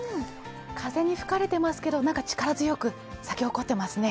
風に吹かれていますけど、力強く咲き誇っていますね。